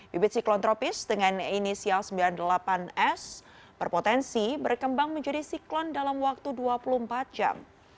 bibit siklon tropis dengan inisial sembilan puluh delapan s berpotensi berkembang menjadi siklon dalam waktu dua puluh empat jam